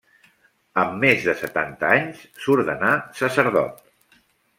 Amb més de setanta anys s'ordenà sacerdot.